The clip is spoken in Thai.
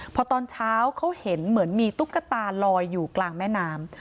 พอตอนเช้าเขาเห็นเหมือนมีตุ๊กตาลอยอยู่กลางแม่น้ำ